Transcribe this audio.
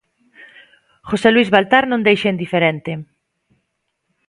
José Luís Baltar non deixa indiferente.